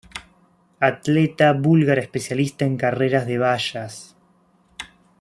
Atleta búlgara especialista en carreras de vallas.